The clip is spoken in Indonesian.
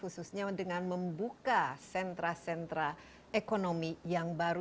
khususnya dengan membuka sentra sentra ekonomi yang baru